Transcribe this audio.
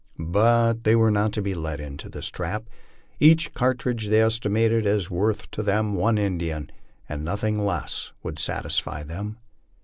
But they were not to be led into this trap ; each cartridge they estimated as worth to them one Indian, and nothing less would satisfy them.